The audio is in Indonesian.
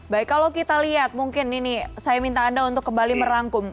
baik kalau kita lihat mungkin ini saya minta anda untuk kembali merangkum